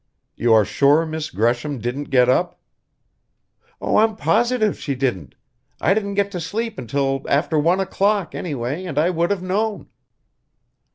"You are sure Miss Gresham didn't get up!" "Oh, I'm positive she didn't! I didn't get to sleep until after one o'clock, anyway, and I would have known."